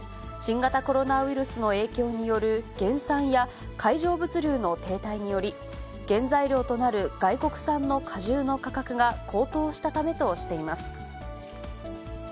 新型コロナウイルスの影響による減産や海上物流の停滞により、原材料となる外国産の果汁の価格が高騰したためとしています。